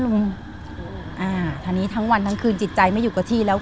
ทางนี้ทั้งวันทั้งคืนจิตใจไม่อยู่กับที่แล้ว